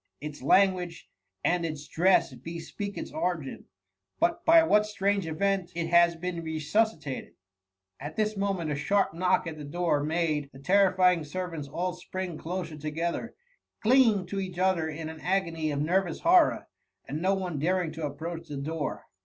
'* Its language and its dress bespeak its origin, but by what strange event it has been resusci tated—" At this moment a sharp knock at the door made the terrified servants all spring closer to gether, clinging to each other in an agony of nervous horror, and not one daring to approach the door.